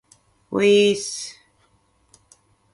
おいーっす